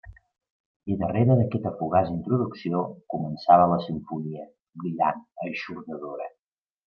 I darrere d'aquesta fugaç introducció, començava la simfonia, brillant, eixordadora.